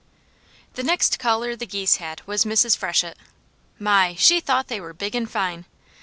The next caller the geese had was Mrs. Freshett. My! she thought they were big and fine.